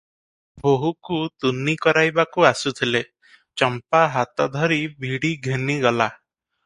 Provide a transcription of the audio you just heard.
ବୋହୂକୁ ତୁନି କରାଇବାକୁ ଆସୁଥିଲେ, ଚମ୍ପା ହାତ ଧରି ଭିଡ଼ି ଘେନିଗଲା ।